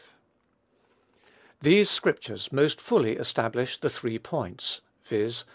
These scriptures most fully establish the three points, viz.